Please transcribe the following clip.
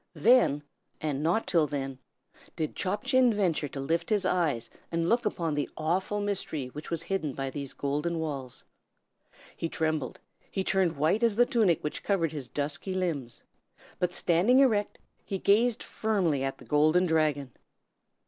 Then, and not till then, did Chop Chin venture to lift his eyes and look upon the awful mystery which was hidden by these golden walls. He trembled, he turned white as the tunic which covered his dusky limbs; but standing erect, he gazed firmly at the Golden Dragon.